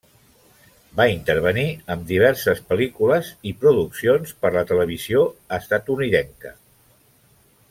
Va intervenir en diverses pel·lícules i produccions per la televisió estatunidenca.